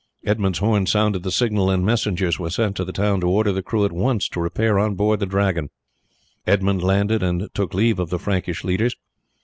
Edmund's horn sounded the signal, and messengers were sent to the town to order the crew at once to repair on board the Dragon. Edmund landed and took leave of the Frankish leaders.